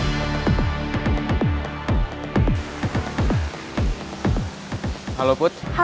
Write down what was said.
sampai kapanpun gue akan pernah jauhin putri